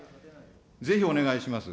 ぜひお願いします。